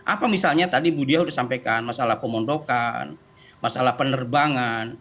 apa misalnya tadi bu dia sudah sampaikan masalah pemondokan masalah penerbangan